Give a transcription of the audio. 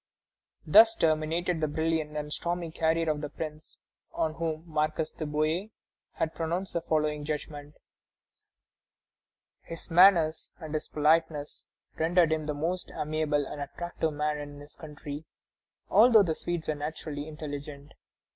Thus terminated the brilliant and stormy career of the prince on whom the Marquis de Bouillé has pronounced the following judgment: "His manners and his politeness rendered him the most amiable and attractive man in his country, although the Swedes are naturally intelligent.